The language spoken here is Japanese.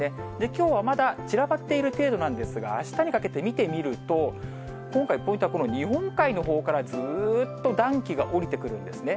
きょうはまだ散らばっている程度なんですけれども、あしたにかけて見てみると、今回、ポイントはこの日本海のほうからずっと暖気が下りてくるんですね。